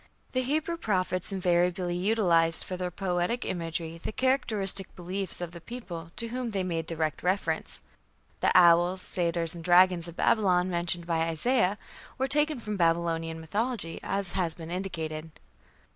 The Hebrew prophets invariably utilized for their poetic imagery the characteristic beliefs of the peoples to whom they made direct reference. The "owls", "satyrs", and "dragons" of Babylon, mentioned by Isaiah, were taken from Babylonian mythology, as has been indicated.